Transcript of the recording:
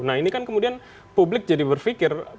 nah ini kan kemudian publik jadi berpikir